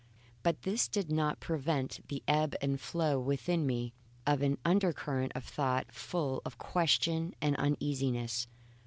But this did not prevent the ebb and flow within me of an undercurrent of thought full of question and uneasiness.